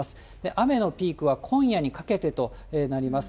雨のピークは今夜にかけてとなります。